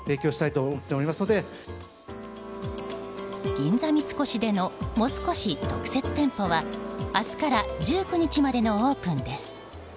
銀座三越でのモス越特設店舗は明日から１９日までのオープンです。